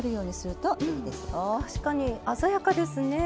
確かに鮮やかですねえ。